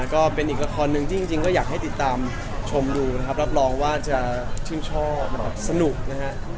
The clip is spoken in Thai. ก็เป็นอีกละครที่จริงก็ทุกคนติดตามชมรับลองว่าจะชื่นช่อสนุกนะครับ